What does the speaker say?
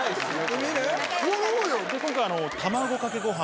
今回卵かけご飯